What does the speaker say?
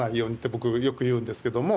僕よく言うんですけども。